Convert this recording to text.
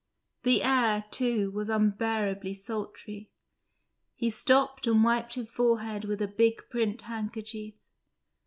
The air, too, was unbearably sultry; he stopped and wiped his forehead with a big print handkerchief.